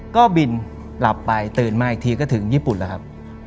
ก็บินหลับไปตื่นมาอีกทีก็ถึงญี่ปุ่นแล้วครับ